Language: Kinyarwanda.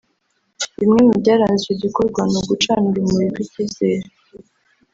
Bimwe mu byaranze icyo gikorwa ni ugucana urumuri rw’icyizere